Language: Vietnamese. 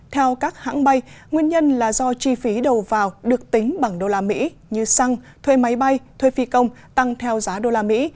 theo các hãng bay nguyên nhân là do chi phí đầu vào được tính bằng đô la mỹ như xăng thuê máy bay thuê phi công tăng theo giá đô la mỹ